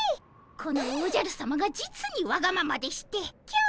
このおじゃるさまが実にわがままでして今日も。